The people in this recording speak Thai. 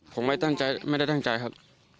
ผมไม่ได้ตั้งใจครับ